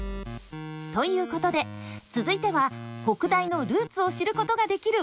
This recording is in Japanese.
ということで続いては北大のルーツを知ることができるお宝を！